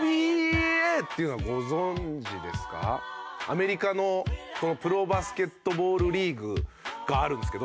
皆さんアメリカのプロバスケットボールリーグがあるんですけど。